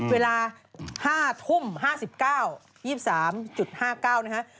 เวลา๕ทุ่ม๕๙๒๓๕๙นะฮะ